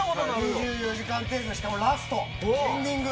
「２４時間テレビ」のしかもラスト、エンディング。